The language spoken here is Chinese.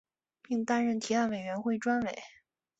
并担任提案委员会专委。